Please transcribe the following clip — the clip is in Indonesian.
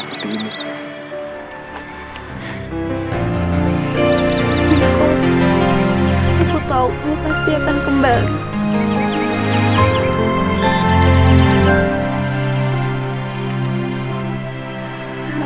sampai jumpa di video selanjutnya